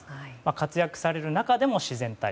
活躍される中でも自然体。